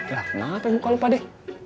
gak apa apa muka lu pade